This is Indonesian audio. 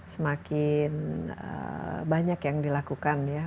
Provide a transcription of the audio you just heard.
semakin banyak yang dilakukan ya